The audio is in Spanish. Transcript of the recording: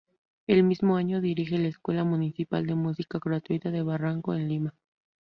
El mismo año dirige la Escuela Municipal de Música gratuita de Barranco en Lima.